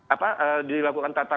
apa dilakukan tata